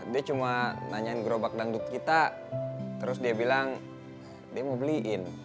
dia cuma nanyain gerobak dangdut kita terus dia bilang dia mau beliin